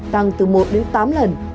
tăng từ một đến tám lần